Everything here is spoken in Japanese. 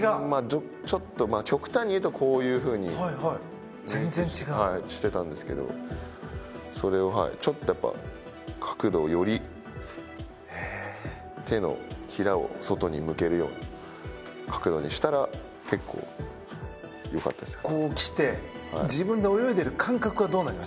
ちょっと極端に言うとこういうふうにしてたんですけどそれをちょっと角度を、より手のひらを外に向けるような角度にしたら結構、良かったですね。